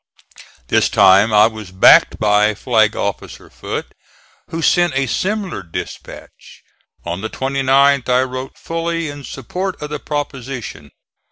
This time I was backed by Flag officer Foote, who sent a similar dispatch. On the 29th I wrote fully in support of the proposition.